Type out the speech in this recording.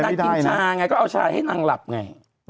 มันมีชานางก็กินชาไงก็เอาชาให้นางหลับไง